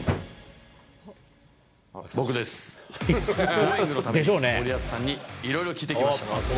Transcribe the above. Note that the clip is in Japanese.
Ｇｏｉｎｇ！のために森保さんにいろいろ聞いてきました。